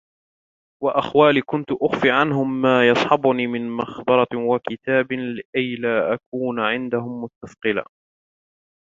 وَأَحْوَالٍ كُنْت أُخْفِي عَنْهُمْ مَا يَصْحَبُنِي مِنْ مَحْبَرَةٍ وَكِتَابٍ لِئَلَّا أَكُونَ عِنْدَهُمْ مُسْتَثْقَلًا